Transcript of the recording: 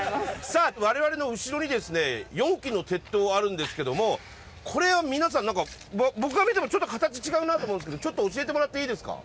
さあ我々の後ろにですね４基の鉄塔があるんですけどもこれは皆さんなんか僕が見てもちょっと形違うなと思うんですけどちょっと教えてもらっていいですか？